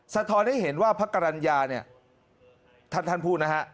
สะท้อนให้เห็นว่าพระกรรณญาเนี่ยท่านท่านพูดนะฮะ